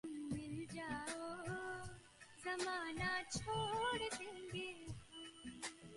It then follows Cottonwood and Dallas creeks downstream to Ridgway, Colorado.